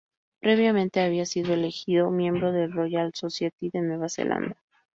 Previamente había sido elegido Miembro de la Royal Society de Nueva Zelanda.